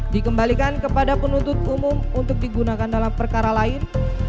dikembalikan kepada penuntut umum untuk digunakan dalam perkara lain